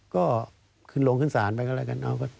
ก็ขึ้นลงขึ้นศาลไปก็แล้วกัน